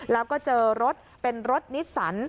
แล้วก็เจอรถเป็นรถนิสสัน